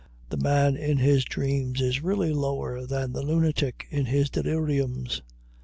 The man in his dreams is really lower than the lunatic in his deliriums.